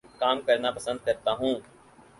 کام کرنا پسند کرتا ہوں